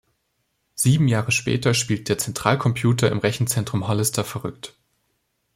Sieben Jahre später spielt der Zentralcomputer im Rechenzentrum Hollister verrückt.